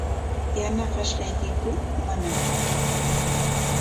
¿Yanaqashqaykiku manaku?